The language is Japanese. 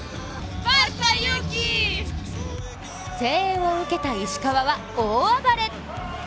声援を受けた石川は、大暴れ。